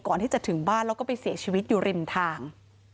ก่อนที่จะถึงบ้านแล้วก็ไปเสียชีวิตอยู่ริมทาง